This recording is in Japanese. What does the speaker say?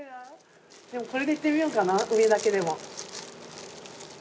でもこれでいってみようかな上だけでも。